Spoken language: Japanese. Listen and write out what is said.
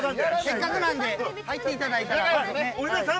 せっかくなんで入っていただいたら。